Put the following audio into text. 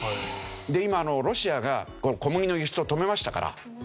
で今ロシアが小麦の輸出を止めましたから。